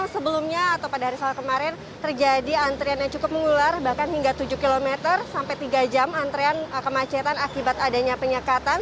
sebelumnya atau pada hari selasa kemarin terjadi antrian yang cukup mengular bahkan hingga tujuh km sampai tiga jam antrean kemacetan akibat adanya penyekatan